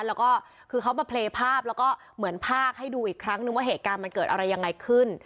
แล้วก็คือเขามาเพลย์ภาพแล้วก็เหมือนภาคให้ดูอีกครั้งนึงว่าเหตุการณ์มันเกิดอะไรยังไงขึ้น